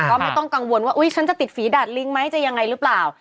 ก็ไม่ต้องกังวลว่าอุ๊ยฉันจะติดฝีดาดลิงไหมจะยังไงหรือเปล่า